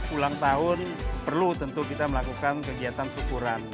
ulang tahun perlu tentu kita melakukan kegiatan syukuran